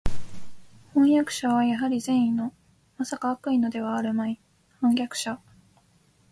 飜訳者はやはり善意の（まさか悪意のではあるまい）叛逆者